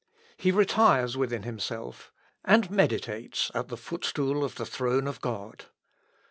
He retires within himself, and meditates at the footstool of the throne of God.